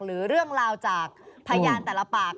หรือเรื่องราวจากพยานแต่ละปาก